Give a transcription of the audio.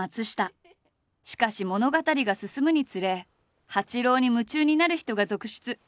しかし物語が進むにつれ八郎に夢中になる人が続出。